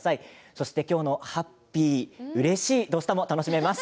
そして今日のハッピー、うれしい「土スタ」も楽しめます。